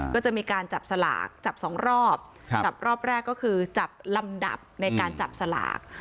ก็จะมีการจับสลากจับสองรอบจับรอบแรกก็คือจับลำดับในการจับสลาก